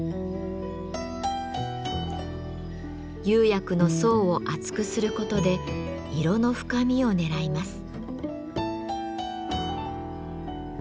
釉薬の層を厚くすることで色の深みをねらいます。